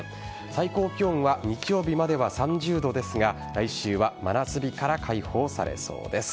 最高気温は日曜日までは３０度ですが来週は真夏日から解放されそうです。